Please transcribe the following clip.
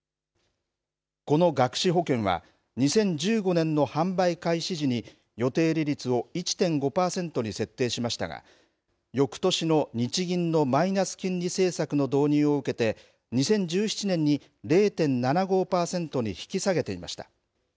この学資保険は２０１５年の販売開始時に予定利率を１．５パーセントに設定しましたがよくとしの日銀のマイナス金利政策の導入を受けて２０１７年に０．７５パーセントに引き下げていました。